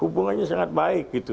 hubungannya sangat baik